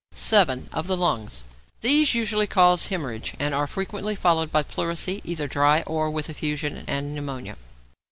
7. =Of the Lungs.= These usually cause hæmorrhage, and are frequently followed by pleurisy, either dry or with effusion, and by pneumonia.